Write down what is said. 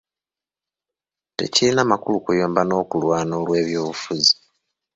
Tekirina makulu kuyomba n'okulwana olw'ebyobufuzi.